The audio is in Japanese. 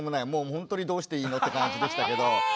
ほんとにどうしていいの？って感じでしたけど。